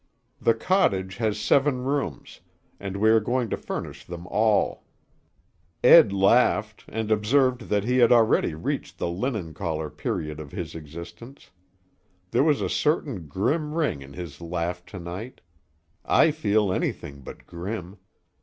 The cottage has seven rooms, and we are going to furnish them all. Ed laughed, and observed that he had already reached the linen collar period of his existence. There was a certain grim ring in his laugh to night. I feel anything but grim.